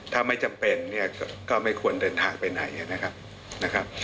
ถ้าไม่จำเป็นเนี่ยก็ไม่ควรเดินทางไปไหนนะครับ